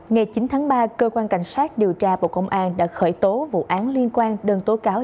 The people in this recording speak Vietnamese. ngày chín tháng ba cơ quan cảnh sát điều tra bộ công an đã khởi tố vụ án liên quan đơn tố cáo